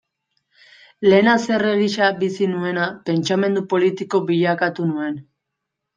Lehen haserre gisa bizi nuena, pentsamendu politiko bilakatu nuen.